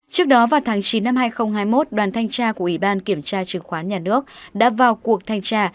trước đó vào tháng chín năm hai nghìn hai mươi một đoàn thanh tra của ủy ban kiểm tra chứng khoán nhà nước đã vào cuộc thanh tra